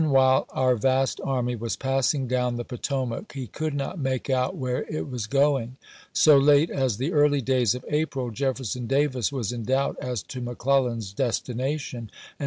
Eveu wliile oiir vast army was passing down the Potomac he could not make out where it was going. •' xarrath e So late as the early days of April, Jefferson Davis oiH ni was in doubt as to McClellan's destination, and tious," p.